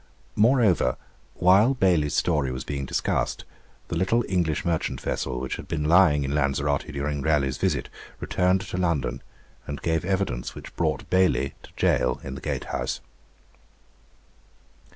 Moreover, while Bailey's story was being discussed, the little English merchant vessel which had been lying in Lanzarote during Raleigh's visit returned to London, and gave evidence which brought Bailey to gaol in the Gate House.